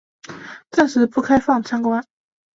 暂时不开放参观